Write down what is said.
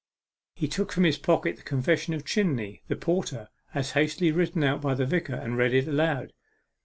He took from his pocket the confession of Chinney the porter, as hastily written out by the vicar, and read it aloud.